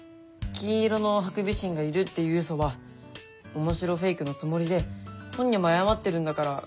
金色のハクビシンがいるっていうウソは面白フェイクのつもりで本人も謝ってるんだからいいんじゃないの？